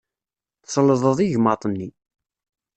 Tselḍeḍ igmaḍ-nni.